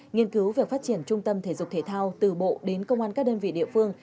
nghiên cứu việc phát triển trung tâm thể dục thể thao từ bộ đến công an các đơn vị địa phương